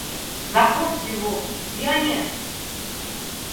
За хвост его, – пионер!